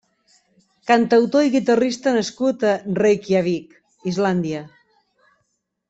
Cantautor i guitarrista nascut a Reykjavík, Islàndia.